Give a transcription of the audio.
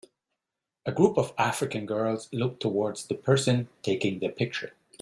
A group of African girls look toward the person taking their picture.